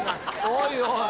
おいおい。